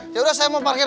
yaudah saya mau parkir